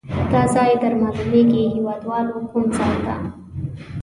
دا ځای در معلومیږي هیواد والو کوم ځای ده؟